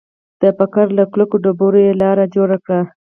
د فقر له کلکو ډبرو یې لاره جوړه کړه